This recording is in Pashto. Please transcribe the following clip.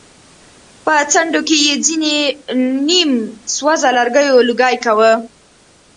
په څنډو کې يې ځېنو نيم سوزه لرګيو لوګی کوه.